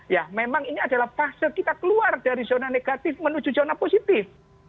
ya memang ini adalah fase kita keluar dari zona negatif menuju zona positif